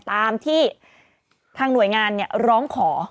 ตามที่ทางหน่วยงานร้องขอ